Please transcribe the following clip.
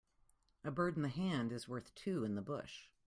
A bird in the hand is worth two in the bush.